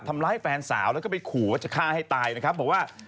ทำร้ายแฟนสาวแล้วก็ไปขู่ว่าจะฆ่าให้ตายนะครับบอกว่า